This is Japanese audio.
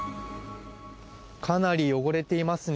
かなり汚れていますね。